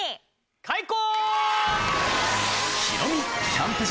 開講！